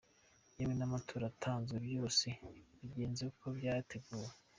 Yewe n’amaturo aratanzwe, byose bigenze uko byateguwe.